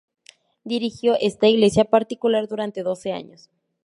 Dirigió esta iglesia particular durante doce años.